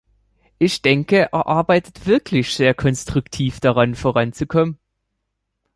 Ich denke, er arbeitet wirklich sehr konstruktiv daran, voranzukommen.